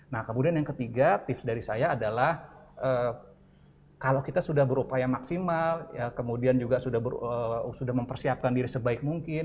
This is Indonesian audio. nah kemudian yang ketiga tips dari saya adalah kalau kita sudah berupaya maksimal kemudian juga sudah mempersiapkan diri sebaik mungkin